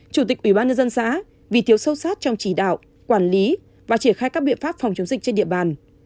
chủ tịch ubnd xã vì thiếu sâu sát trong chỉ đạo quản lý và triển khai các biện pháp phòng chống dịch trên địa bàn